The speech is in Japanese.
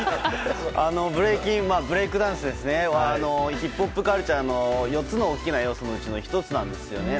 ブレイクダンスはヒップホップカルチャーの４つの大きな要素のうちの１つなんですよね。